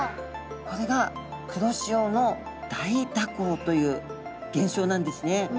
これが黒潮の大蛇行という現象なんですね。